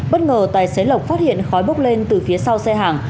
bất ngờ tài xế lộc phát hiện khói bốc lên từ phía sau xe hàng